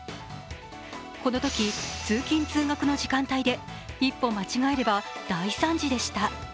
このとき、通勤・通学の時間帯で一歩間違えれば大惨事でした。